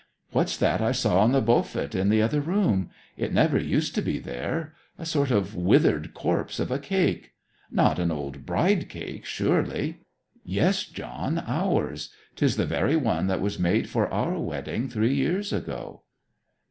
What's that I saw on the beaufet in the other room? It never used to be there. A sort of withered corpse of a cake not an old bride cake surely?' 'Yes, John, ours. 'Tis the very one that was made for our wedding three years ago.'